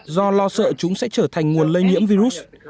do lo sợ chúng sẽ trở thành nguồn lây nhiễm virus